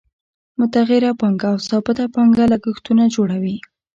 متغیره پانګه او ثابته پانګه لګښتونه جوړوي